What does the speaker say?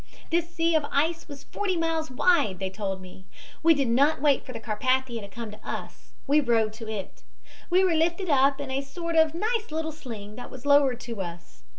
This sea of ice was forty miles wide, they told me. We did not wait for the Carpathia to come to us, we rowed to it. We were lifted up in a sort of nice little sling that was lowered to us.